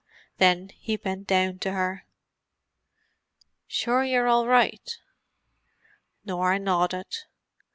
Then he bent down to her. "Sure you're all right?" Norah nodded.